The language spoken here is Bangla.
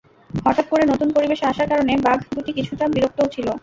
হঠাৎ করে নতুন পরিবেশে আসার কারণে বাঘ দুটি কিছুটা বিরক্তও ছিল।